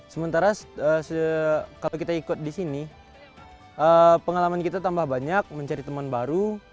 sementara kalau kita ikut di sini pengalaman kita tambah banyak mencari teman baru